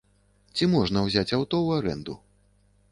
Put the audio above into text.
Ці можна ўзяць аўто ў арэнду?